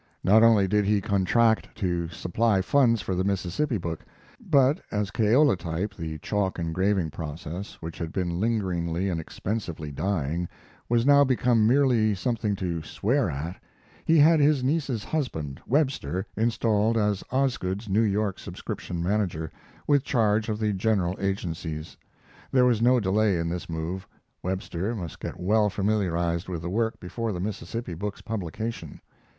Not only did he contract to supply funds for the Mississippi book, but, as kaolatype, the chalk engraving process, which had been lingeringly and expensively dying, was now become merely something to swear at, he had his niece's husband, Webster, installed as Osgood's New York subscription manager, with charge of the general agencies. There was no delay in this move. Webster must get well familiarized with the work before the Mississippi book's publication.